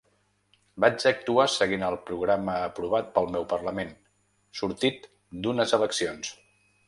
Vaig actuar seguint el programa aprovat pel meu parlament, sortit d’unes eleccions.